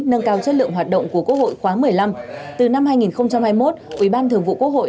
nâng cao chất lượng hoạt động của quốc hội khóa một mươi năm từ năm hai nghìn hai mươi một ủy ban thường vụ quốc hội